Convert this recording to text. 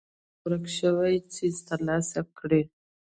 هغه غوښتل خپل ورک شوی څيز تر لاسه کړي.